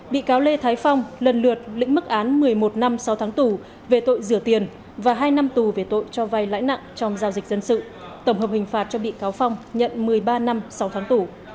bị cáo lê thái phong lần lượt lĩnh mức án một mươi một năm sau tháng tù về tội rửa tiền và hai năm tù về tội cho vai lãi nặng trong giao dịch dân sự tổng hợp hình phạt cho bị cáo phong nhận một mươi ba năm sáu tháng tù